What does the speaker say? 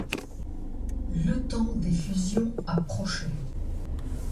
Le temps des fusions approchait.